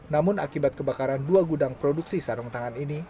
namun akibat kebakaran dua gudang produksi sarung tangan ini